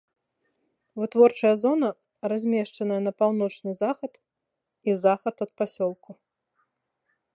Вытворчая зона размешчаная на паўночны захад і захад ад пасёлку.